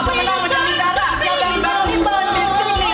pertemuan dan nidara cabang barisan di sini